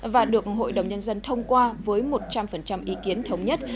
và được hội đồng nhân dân thông qua với một trăm linh ý kiến thống nhất